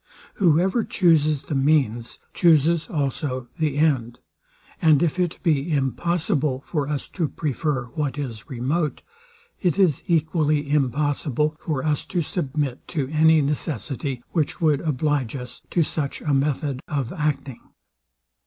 Whoever chuses the means, chuses also the end; and if it be impossible for us to prefer what is remote, it is equally impossible for us to submit to any necessity, which would oblige us to such a method of acting.